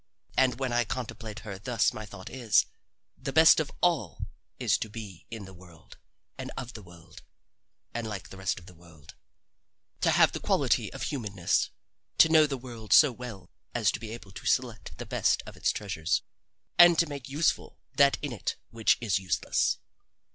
And when I contemplate her thus my thought is, the best thing of all is to be in the world and of the world, and like the rest of the world, to have the quality of humanness, to know the world so well as to be able to select the best of its treasures, and to make useful that in it which is useless.